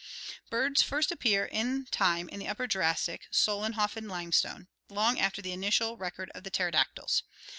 Birds first appear in time in the Upper Jurassic (Solenhofen limestone) long after the initial record of the pterodactyls.